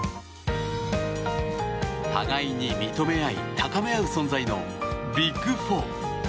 互いに認め合い高め合う存在のビッグ４。